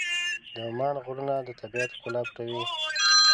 د عمان غرونه د طبیعت ښکلا پټوي.